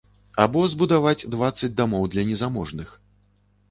Або збудаваць дваццаць дамоў для незаможных.